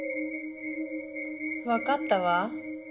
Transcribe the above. わかったわ。